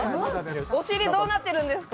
お尻どうなってるんですか？